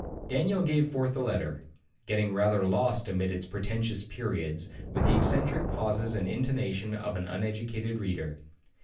Daniel gave forth the letter, getting rather lost amid its pretentious periods, with the eccentric pauses and intonation of an uneducated reader.